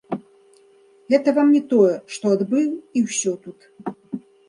Гэта вам не тое, што адбыў і ўсё тут.